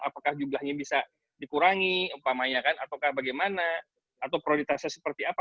apakah jumlahnya bisa dikurangi umpamanya kan atau bagaimana atau prioritasnya seperti apa